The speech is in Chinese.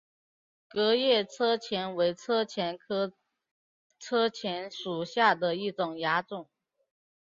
革叶车前为车前科车前属下的一个亚种。